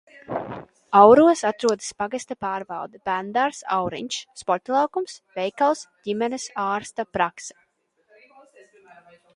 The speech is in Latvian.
"Auros atrodas pagasta pārvalde, bērnudārzs "Auriņš", sporta laukums, veikals, ģimenes ārsta prakse."